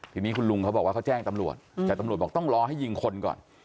ทีนี้คุณลุงเขาบอกว่าเขาแจ้งตำรวจแต่ตำรวจบอกต้องรอให้ยิงคนก่อน